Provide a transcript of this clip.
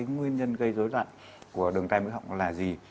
nguyên nhân gây dối loạn của đường tay mũi họng là gì